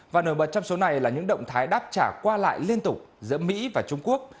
và nổi bật trong số này là những động thái đáp trả qua lại liên tục giữa mỹ và trung quốc